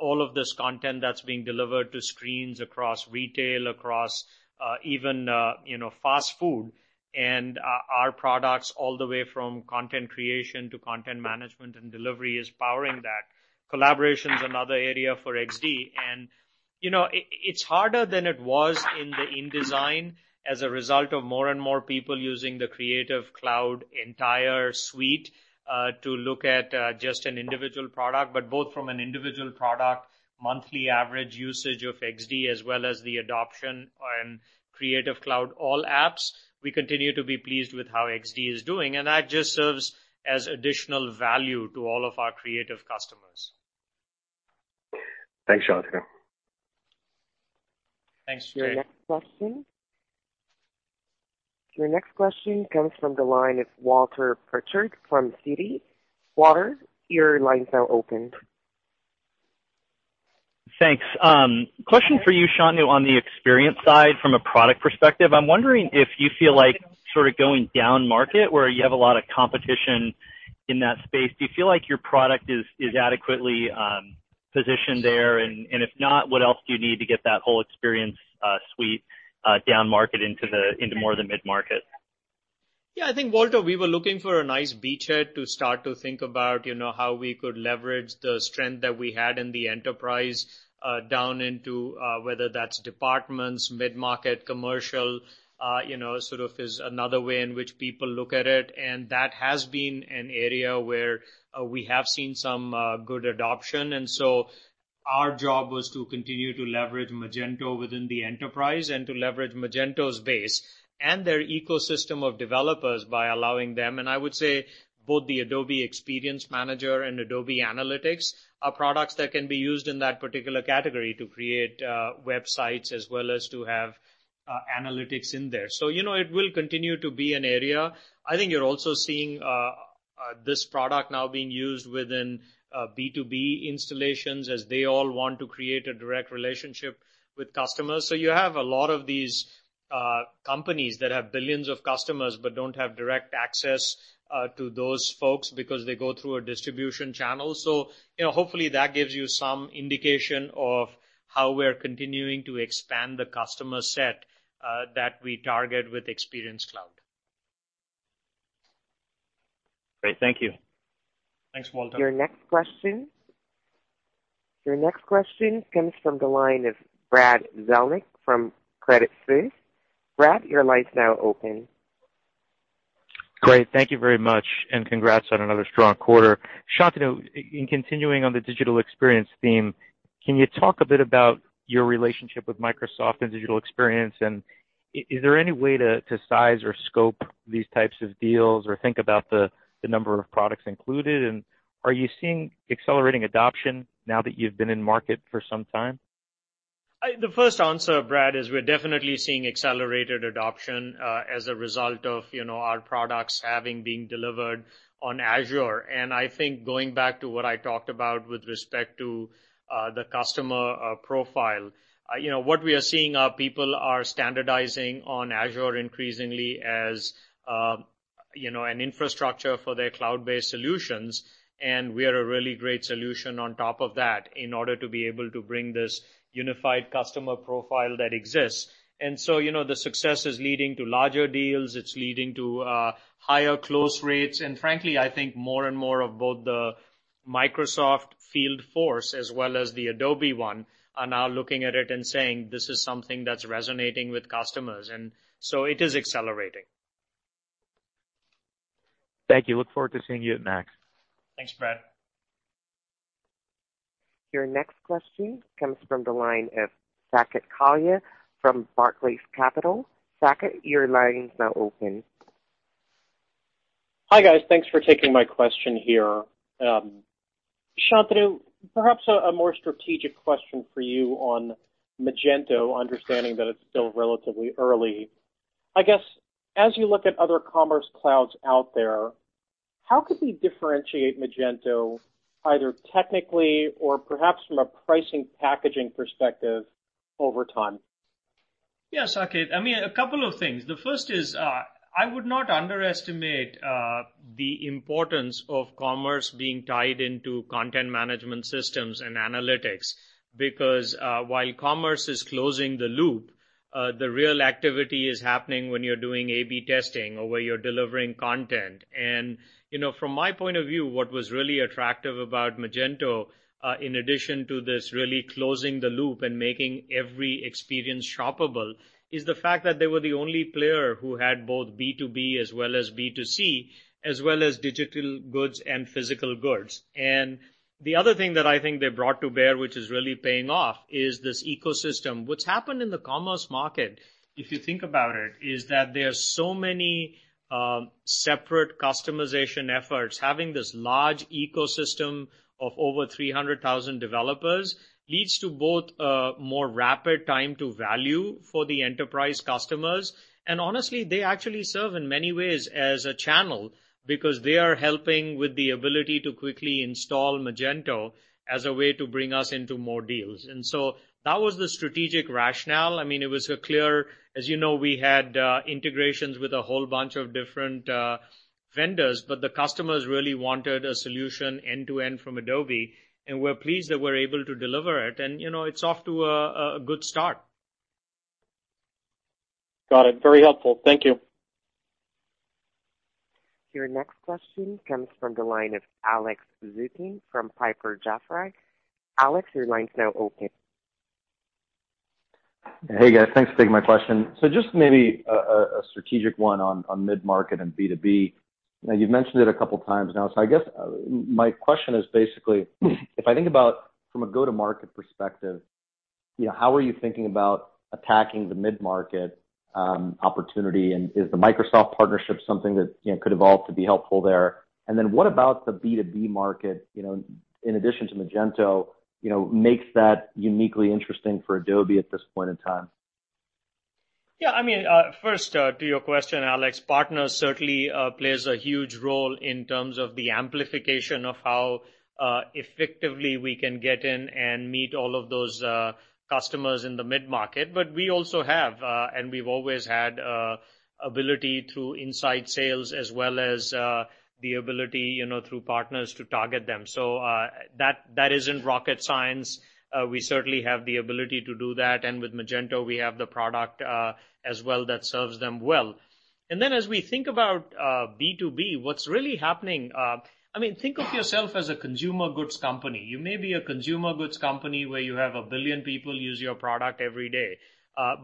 S3: all of this content that's being delivered to screens across retail, across even fast food, and our products, all the way from content creation to content management and delivery, is powering that. Collaboration is another area for Adobe XD. It's harder than it was in the InDesign as a result of more and more people using the Creative Cloud entire suite to look at just an individual product, but both from an individual product monthly average usage of Adobe XD as well as the adoption in Creative Cloud all apps, we continue to be pleased with how Adobe XD is doing, and that just serves as additional value to all of our creative customers.
S8: Thanks, Shantanu.
S3: Thanks, Jay.
S1: Your next question. Your next question comes from the line of Walter Pritchard from Citi. Walter, your line is now open.
S9: Thanks. Question for you, Shantanu, on the experience side from a product perspective. I'm wondering if you feel like sort of going down market where you have a lot of competition in that space. Do you feel like your product is adequately positioned there? If not, what else do you need to get that whole experience suite down market into more of the mid-market?
S3: Yeah, I think, Walter, we were looking for a nice beachhead to start to think about how we could leverage the strength that we had in the enterprise down into, whether that's departments, mid-market, commercial, sort of is another way in which people look at it. That has been an area where we have seen some good adoption. Our job was to continue to leverage Magento within the enterprise and to leverage Magento's base and their ecosystem of developers by allowing them, I would say both the Adobe Experience Manager and Adobe Analytics are products that can be used in that particular category to create websites as well as to have analytics in there. It will continue to be an area. I think you're also seeing this product now being used within B2B installations as they all want to create a direct relationship with customers. You have a lot of these companies that have billions of customers but don't have direct access to those folks because they go through a distribution channel. Hopefully that gives you some indication of how we're continuing to expand the customer set that we target with Experience Cloud.
S9: Great. Thank you.
S3: Thanks, Walter.
S1: Your next question comes from the line of Brad Zelnick from Credit Suisse. Brad, your line's now open.
S10: Great. Thank you very much, and congrats on another strong quarter. Shantanu, in continuing on the digital experience theme, can you talk a bit about your relationship with Microsoft and digital experience? Is there any way to size or scope these types of deals or think about the number of products included? Are you seeing accelerating adoption now that you've been in market for some time?
S3: The first answer, Brad, is we're definitely seeing accelerated adoption as a result of our products having been delivered on Azure. I think going back to what I talked about with respect to the customer profile, what we are seeing are people are standardizing on Azure increasingly as an infrastructure for their cloud-based solutions, and we are a really great solution on top of that in order to be able to bring this unified customer profile that exists. The success is leading to larger deals. It's leading to higher close rates, and frankly, I think more and more of both the Microsoft field force as well as the Adobe one are now looking at it and saying, "This is something that's resonating with customers." It is accelerating.
S10: Thank you. Look forward to seeing you at MAX.
S3: Thanks, Brad.
S1: Your next question comes from the line of Saket Kalia from Barclays Capital. Saket, your line is now open.
S11: Hi, guys. Thanks for taking my question here. Shantanu, perhaps a more strategic question for you on Magento, understanding that it's still relatively early. I guess, as you look at other commerce clouds out there, how could we differentiate Magento either technically or perhaps from a pricing packaging perspective over time?
S3: Yes, Saket. A couple of things. The first is, I would not underestimate the importance of commerce being tied into content management systems and analytics, because while commerce is closing the loop, the real activity is happening when you're doing A/B testing or where you're delivering content. From my point of view, what was really attractive about Magento, in addition to this really closing the loop and making every experience shoppable, is the fact that they were the only player who had both B2B as well as B2C, as well as digital goods and physical goods. The other thing that I think they brought to bear, which is really paying off, is this ecosystem. What's happened in the commerce market, if you think about it, is that there are so many separate customization efforts. Having this large ecosystem of over 300,000 developers leads to both a more rapid time to value for the enterprise customers. Honestly, they actually serve in many ways as a channel because they are helping with the ability to quickly install Magento as a way to bring us into more deals. That was the strategic rationale. It was clear. As you know, we had integrations with a whole bunch of different vendors, but the customers really wanted a solution end-to-end from Adobe, and we're pleased that we're able to deliver it, and it's off to a good start.
S11: Got it. Very helpful. Thank you.
S1: Your next question comes from the line of Alex Zukin from Piper Jaffray. Alex, your line's now open.
S12: Hey, guys. Thanks for taking my question. Just maybe a strategic one on mid-market and B2B. You've mentioned it a couple of times now, I guess my question is basically, if I think about from a go-to-market perspective, how are you thinking about attacking the mid-market opportunity? Is the Microsoft partnership something that could evolve to be helpful there? What about the B2B market, in addition to Magento, makes that uniquely interesting for Adobe at this point in time?
S3: Yeah. First to your question, Alex, partners certainly plays a huge role in terms of the amplification of how effectively we can get in and meet all of those customers in the mid-market. We also have, and we've always had ability through inside sales as well as the ability through partners to target them. That isn't rocket science. We certainly have the ability to do that. With Magento, we have the product as well that serves them well. As we think about B2B, what's really happening, think of yourself as a consumer goods company. You may be a consumer goods company where you have 1 billion people use your product every day,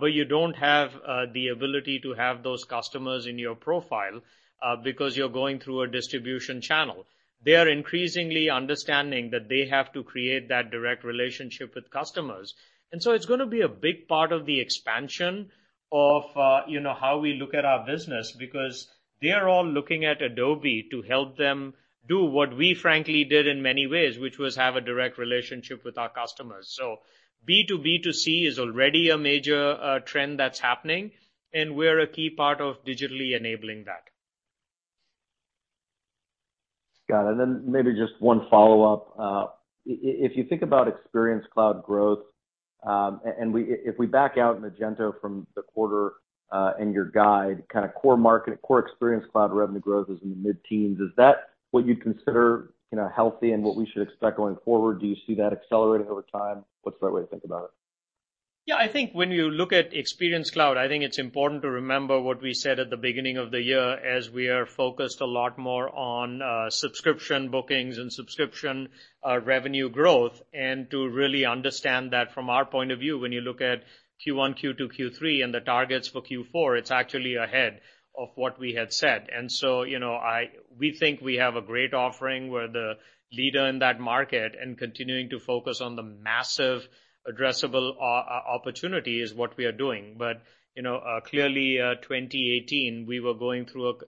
S3: but you don't have the ability to have those customers in your profile because you're going through a distribution channel. They are increasingly understanding that they have to create that direct relationship with customers. It's going to be a big part of the expansion of how we look at our business, because they are all looking at Adobe to help them do what we frankly did in many ways, which was have a direct relationship with our customers. B2B2C is already a major trend that's happening, and we're a key part of digitally enabling that.
S12: Got it. Maybe just one follow-up. If you think about Experience Cloud growth, if we back out Magento from the quarter and your guide core market, core Experience Cloud revenue growth is in the mid-teens. Is that what you'd consider healthy and what we should expect going forward? Do you see that accelerating over time? What's the right way to think about it?
S3: Yeah, I think when you look at Experience Cloud, I think it's important to remember what we said at the beginning of the year as we are focused a lot more on subscription bookings and subscription revenue growth. To really understand that from our point of view, when you look at Q1, Q2, Q3, and the targets for Q4, it's actually ahead of what we had said. So, we think we have a great offering. We're the leader in that market, and continuing to focus on the massive addressable opportunity is what we are doing. Clearly, 2018, we were going through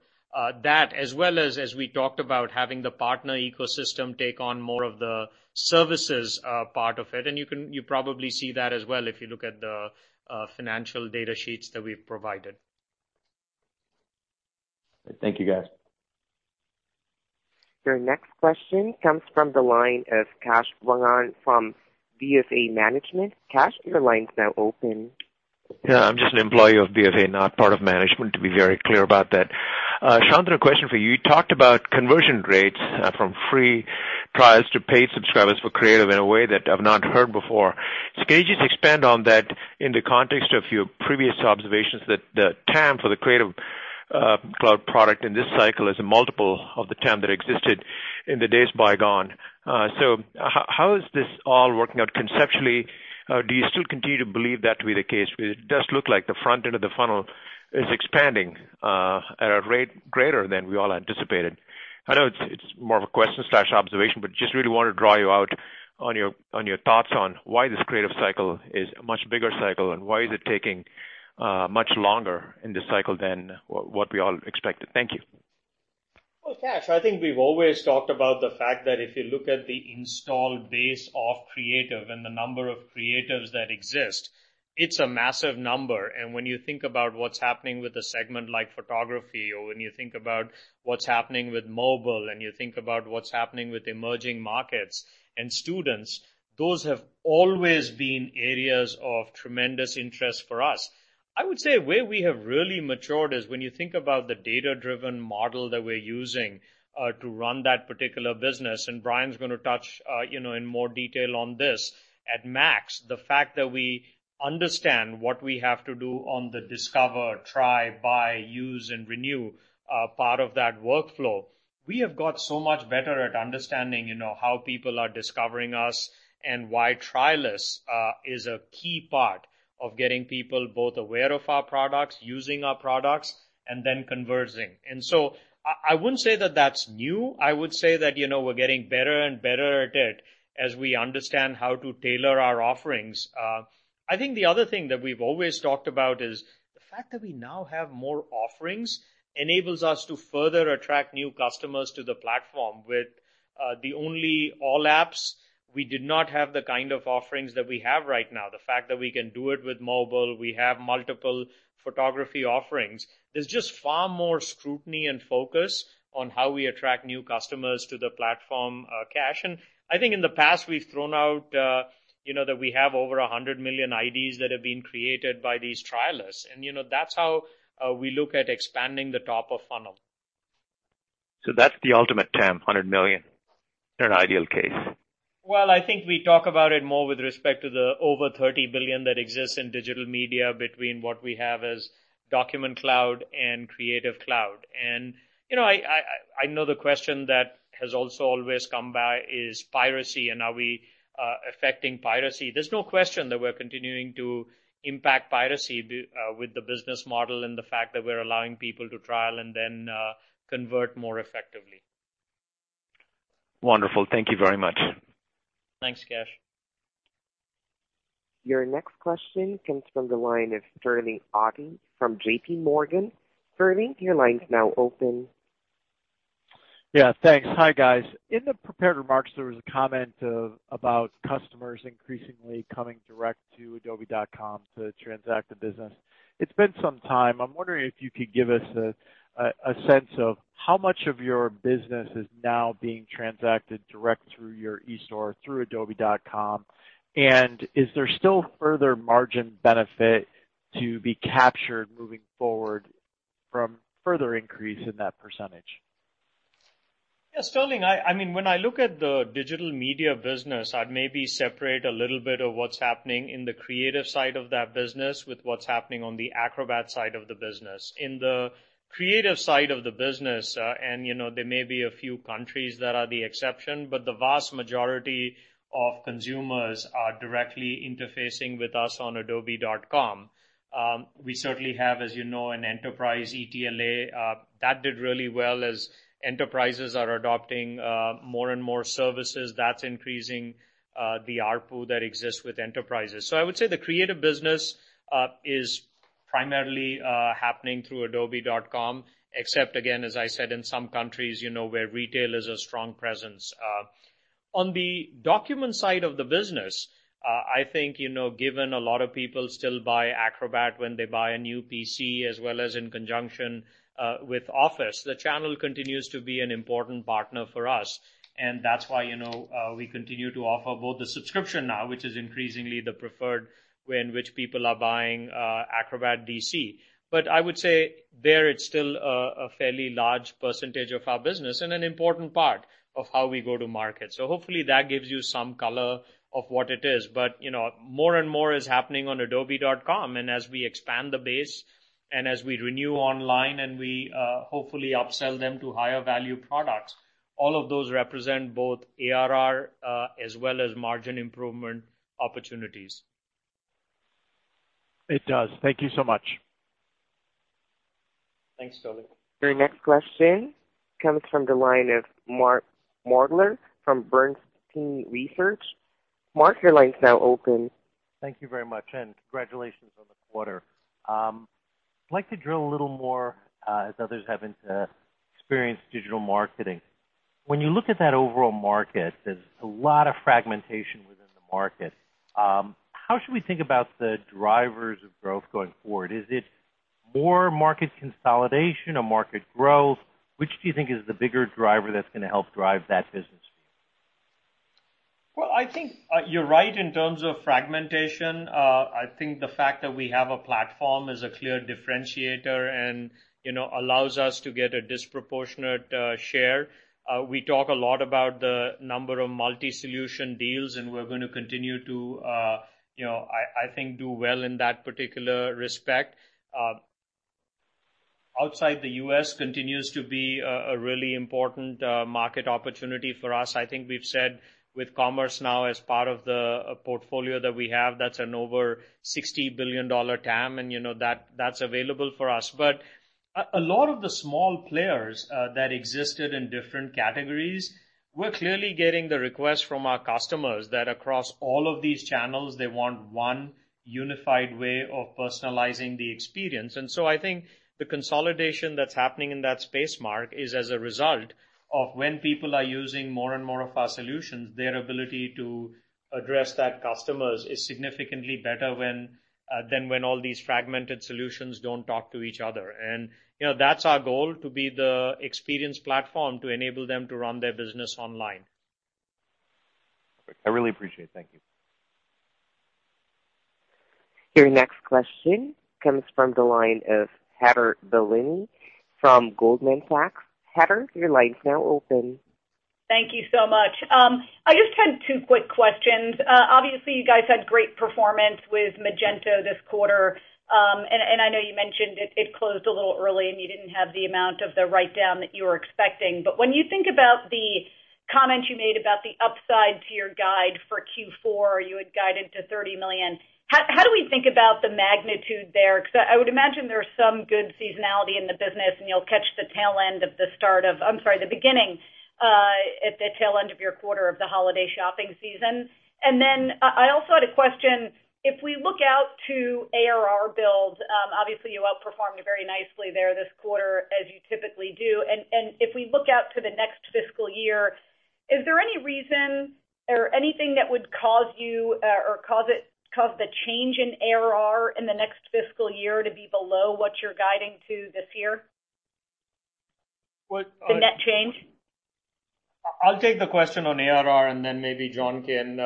S3: that as well as we talked about having the partner ecosystem take on more of the services part of it. You probably see that as well if you look at the financial data sheets that we've provided.
S12: Thank you, guys.
S1: Your next question comes from the line of Kash Rangan from BofA Merrill Lynch. Kash, your line's now open.
S13: I'm just an employee of BofA, not part of management, to be very clear about that. Shantanu, a question for you. You talked about conversion rates from free trials to paid subscribers for Creative in a way that I've not heard before. Can you just expand on that in the context of your previous observations that the TAM for the Creative Cloud product in this cycle is a multiple of the TAM that existed in the days bygone? How is this all working out conceptually? Do you still continue to believe that to be the case? It does look like the front end of the funnel is expanding at a rate greater than we all anticipated. I know it's more of a question/observation, but just really want to draw you out on your thoughts on why this Creative cycle is a much bigger cycle, and why is it taking much longer in this cycle than what we all expected. Thank you.
S3: Well, Kash, I think we've always talked about the fact that if you look at the installed base of Creative and the number of creatives that exist, it's a massive number. When you think about what's happening with a segment like photography, or when you think about what's happening with mobile, and you think about what's happening with emerging markets and students, those have always been areas of tremendous interest for us. I would say where we have really matured is when you think about the data-driven model that we're using to run that particular business, and Brian's going to touch in more detail on this at MAX. The fact that we understand what we have to do on the discover, try, buy, use, and renew part of that workflow. We have got so much better at understanding how people are discovering us and why trialists is a key part of getting people both aware of our products, using our products, and then converting. I wouldn't say that that's new. I would say that we're getting better and better at it as we understand how to tailor our offerings. I think the other thing that we've always talked about is the fact that we now have more offerings enables us to further attract new customers to the platform. With the only all apps, we did not have the kind of offerings that we have right now. The fact that we can do it with mobile. We have multiple photography offerings. There's just far more scrutiny and focus on how we attract new customers to the platform, Kash. I think in the past, we've thrown out that we have over 100 million IDs that have been created by these trialists, and that's how we look at expanding the top of funnel.
S13: That's the ultimate TAM, 100 million in an ideal case?
S3: Well, I think we talk about it more with respect to the over 30 billion that exists in digital media between what we have as Document Cloud and Creative Cloud. I know the question that has also always come by is piracy and are we affecting piracy. There's no question that we're continuing to impact piracy with the business model and the fact that we're allowing people to trial and then convert more effectively.
S13: Wonderful. Thank you very much.
S3: Thanks, Kash.
S1: Your next question comes from the line of Sterling Auty from JP Morgan. Sterling, your line's now open.
S14: Yeah, thanks. Hi, guys. In the prepared remarks, there was a comment about customers increasingly coming direct to adobe.com to transact the business. It's been some time. I'm wondering if you could give us a sense of how much of your business is now being transacted direct through your e-store, through adobe.com, and is there still further margin benefit to be captured moving forward from further increase in that percentage?
S3: Yeah, Sterling, when I look at the digital media business, I'd maybe separate a little bit of what's happening in the creative side of that business with what's happening on the Acrobat side of the business. In the creative side of the business, and there may be a few countries that are the exception, but the vast majority of consumers are directly interfacing with us on adobe.com. We certainly have, as you know, an enterprise ETLA. That did really well as enterprises are adopting more and more services, that's increasing the ARPU that exists with enterprises. I would say the creative business is primarily happening through adobe.com, except, again, as I said, in some countries where retail is a strong presence. On the document side of the business, I think given a lot of people still buy Acrobat when they buy a new PC as well as in conjunction with Office, the channel continues to be an important partner for us. That's why we continue to offer both the subscription now, which is increasingly the preferred way in which people are buying Acrobat DC. I would say there it's still a fairly large percentage of our business and an important part of how we go to market. Hopefully that gives you some color of what it is. More and more is happening on adobe.com, and as we expand the base and as we renew online and we hopefully upsell them to higher value products, all of those represent both ARR as well as margin improvement opportunities.
S14: It does. Thank you so much.
S3: Thanks, Sterling.
S1: Your next question comes from the line of Mark Moerdler from Bernstein Research. Mark, your line's now open.
S15: Thank you very much, and congratulations on the quarter. I'd like to drill a little more, as others have into Experience Digital Marketing. When you look at that overall market, there's a lot of fragmentation within the market. How should we think about the drivers of growth going forward? Is it more market consolidation or market growth? Which do you think is the bigger driver that's going to help drive that business?
S3: I think you're right in terms of fragmentation. I think the fact that we have a platform is a clear differentiator and allows us to get a disproportionate share. We talk a lot about the number of multi-solution deals, and we're going to continue to, I think, do well in that particular respect. Outside the U.S. continues to be a really important market opportunity for us. I think we've said with Commerce now as part of the portfolio that we have, that's an over $60 billion TAM, and that's available for us. A lot of the small players that existed in different categories, we're clearly getting the request from our customers that across all of these channels, they want one unified way of personalizing the experience. I think the consolidation that's happening in that space, Mark, is as a result of when people are using more and more of our solutions, their ability to address that customers is significantly better than when all these fragmented solutions don't talk to each other. That's our goal, to be the experience platform to enable them to run their business online.
S15: I really appreciate it. Thank you.
S1: Your next question comes from the line of Heather Bellini from Goldman Sachs. Heather, your line's now open.
S16: Thank you so much. I just had two quick questions. Obviously, you guys had great performance with Magento this quarter. I know you mentioned it closed a little early and you didn't have the amount of the write-down that you were expecting. When you think about the comments you made about the upside to your guide for Q4, you had guided to $30 million. How do we think about the magnitude there? Because I would imagine there's some good seasonality in the business, and you'll catch the beginning at the tail end of your quarter of the holiday shopping season. Then I also had a question. If we look out to ARR builds, obviously you outperformed very nicely there this quarter as you typically do. If we look out to the next fiscal year, is there any reason or anything that would cause the change in ARR in the next fiscal year to be below what you're guiding to this year?
S3: What-
S16: The net change.
S3: I'll take the question on ARR, then maybe John can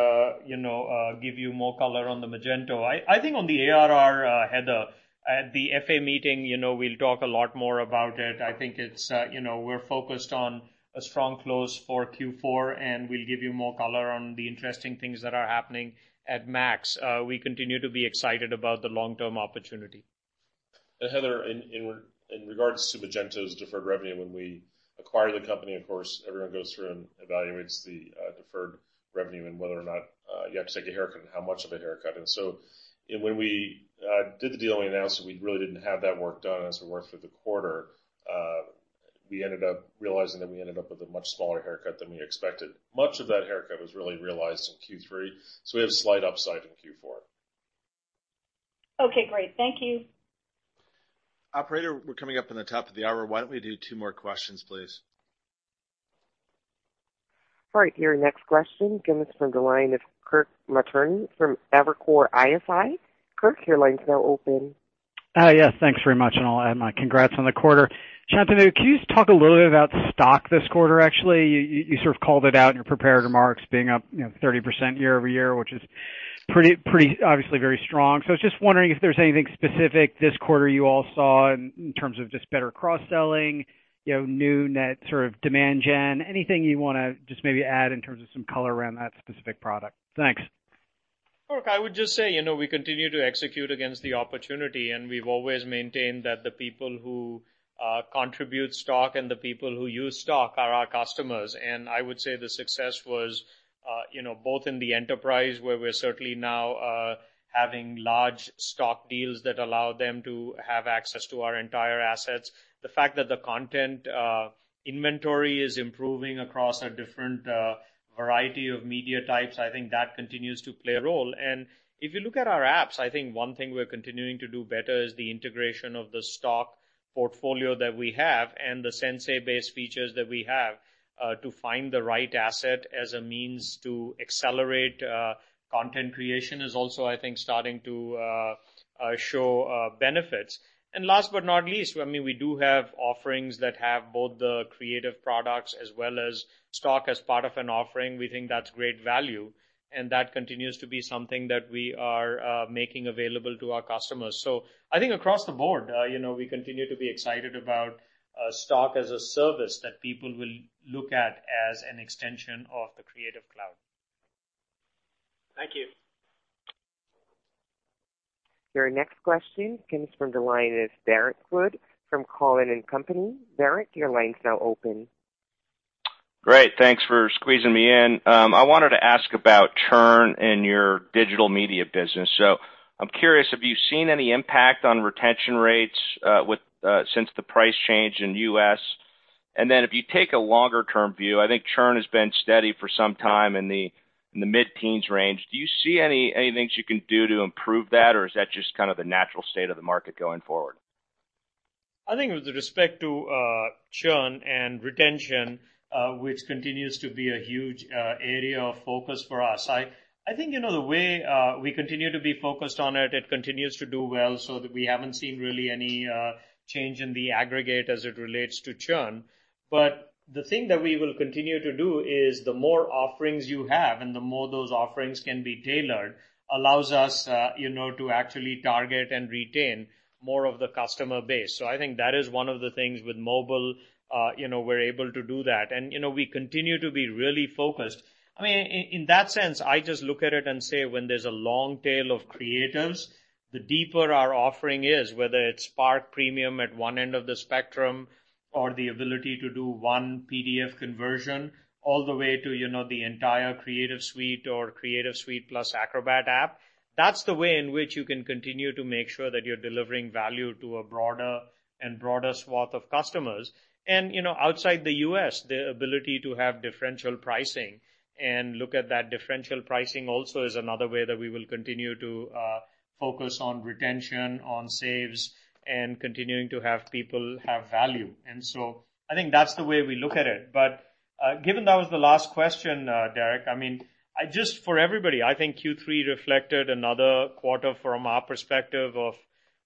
S3: give you more color on the Magento. I think on the ARR, Heather, at the FA meeting, we'll talk a lot more about it. I think we're focused on a strong close for Q4, we'll give you more color on the interesting things that are happening at MAX. We continue to be excited about the long-term opportunity.
S4: Heather, in regards to Magento's deferred revenue, when we acquired the company, of course, everyone goes through and evaluates the deferred revenue and whether or not you have to take a haircut and how much of a haircut. When we did the deal, we announced that we really didn't have that work done. As we worked through the quarter, we ended up realizing that we ended up with a much smaller haircut than we expected. Much of that haircut was really realized in Q3, we have slight upside in Q4.
S16: Okay, great. Thank you.
S3: Operator, we're coming up on the top of the hour. Why don't we do two more questions, please?
S1: All right. Your next question comes from the line of Kirk Materne from Evercore ISI. Kirk, your line's now open.
S17: Yes, thanks very much, and I'll add my congrats on the quarter. Shantanu, can you just talk a little bit about Stock this quarter, actually? You sort of called it out in your prepared remarks being up 30% year-over-year, which is pretty obviously very strong. I was just wondering if there's anything specific this quarter you all saw in terms of just better cross-selling, new net sort of demand gen, anything you want to just maybe add in terms of some color around that specific product? Thanks.
S3: Kirk, I would just say, we continue to execute against the opportunity. We've always maintained that the people who contribute Stock and the people who use Stock are our customers. I would say the success was both in the enterprise where we're certainly now having large Stock deals that allow them to have access to our entire assets. The fact that the content inventory is improving across a different variety of media types, I think that continues to play a role. If you look at our apps, I think one thing we're continuing to do better is the integration of the Stock portfolio that we have and the Sensei-based features that we have to find the right asset as a means to accelerate content creation is also, I think, starting to show benefits. Last but not least, we do have offerings that have both the Creative products as well as Stock as part of an offering. We think that's great value, and that continues to be something that we are making available to our customers. I think across the board, we continue to be excited about Stock as a service that people will look at as an extension of the Creative Cloud.
S17: Thank you.
S1: Your next question comes from the line of Derrick Wood from Cowen & Company. Derrick, your line's now open.
S18: Great. Thanks for squeezing me in. I wanted to ask about churn in your digital media business. I'm curious, have you seen any impact on retention rates since the price change in the U.S.? If you take a longer-term view, I think churn has been steady for some time in the mid-teens range. Do you see any things you can do to improve that, or is that just kind of the natural state of the market going forward?
S3: I think with respect to churn and retention, which continues to be a huge area of focus for us, I think the way we continue to be focused on it continues to do well so that we haven't seen really any change in the aggregate as it relates to churn. The thing that we will continue to do is the more offerings you have and the more those offerings can be tailored allows us to actually target and retain more of the customer base. I think that is one of the things with mobile, we're able to do that. We continue to be really focused. In that sense, I just look at it and say when there's a long tail of creatives, the deeper our offering is, whether it's Spark Premium at one end of the spectrum or the ability to do one PDF conversion all the way to the entire Creative Suite or Creative Suite plus Acrobat app. That's the way in which you can continue to make sure that you're delivering value to a broader and broader swath of customers. Outside the U.S., the ability to have differential pricing and look at that differential pricing also is another way that we will continue to focus on retention, on saves, and continuing to have people have value. I think that's the way we look at it. Given that was the last question, Derrick, just for everybody, I think Q3 reflected another quarter from our perspective of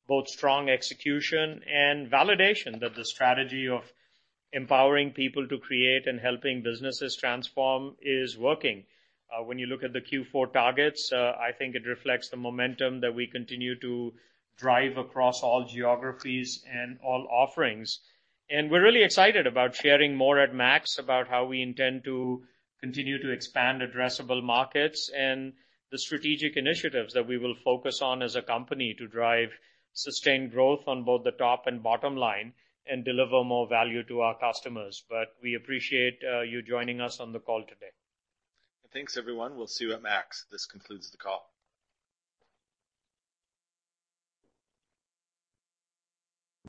S3: both strong execution and validation that the strategy of empowering people to create and helping businesses transform is working. When you look at the Q4 targets, I think it reflects the momentum that we continue to drive across all geographies and all offerings. We're really excited about sharing more at MAX about how we intend to continue to expand addressable markets and the strategic initiatives that we will focus on as a company to drive sustained growth on both the top and bottom line and deliver more value to our customers. We appreciate you joining us on the call today.
S2: Thanks, everyone. We'll see you at MAX. This concludes the call.